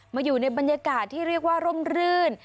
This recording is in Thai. อยู่ในบรรยากาศที่เรียกว่าร่มรื่น